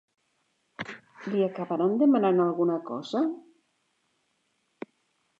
Li acabaran demanant alguna cosa?